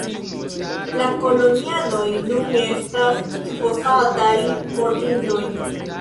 La kolonianoj nun estas supozataj mortintoj.